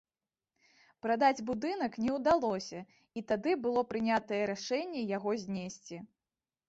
Прадаць будынак не ўдалося і тады было прынятае рашэнне яго знесці.